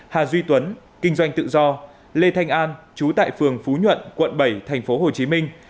hà duy tuấn kinh doanh tự do lê thanh an chú tại phường phú nhuận quận bảy thành phố hồ chí minh